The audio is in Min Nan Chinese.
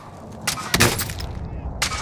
粿